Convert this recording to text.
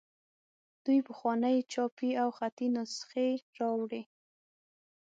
دوی پخوانۍ چاپي او خطي نسخې راوړي.